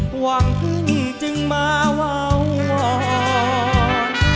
หวังที่นี่จึงมาว้าวว่อน